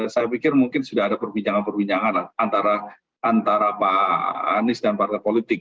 saya pikir mungkin sudah ada perbincangan perbincangan antara pak anies dan partai politik